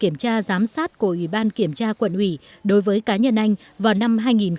kiểm tra giám sát của ủy ban kiểm tra quận ủy đối với cá nhân anh vào năm hai nghìn một mươi